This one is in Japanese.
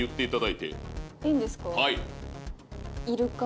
いいんですか？